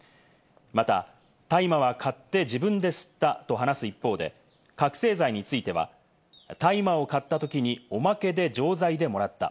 また、大麻は買って自分で吸ったと話す一方で、覚醒剤については大麻を買ったときにおまけで錠剤でもらった。